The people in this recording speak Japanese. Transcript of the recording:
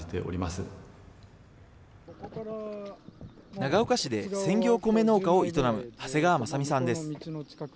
長岡市で専業米農家を営む長谷川政美さんです。